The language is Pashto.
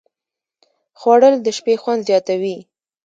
خوړل د شپې خوند زیاتوي